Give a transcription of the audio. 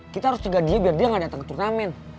kita harus tinggalin dia biar dia gak dateng ke turnamen